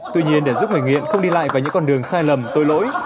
tuy nhiên để giúp người nghiện không đi lại vào những con đường sai lầm tôi lỗi